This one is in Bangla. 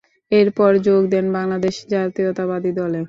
এর পর যোগ দেন বাংলাদেশ জাতীয়তাবাদী দলে।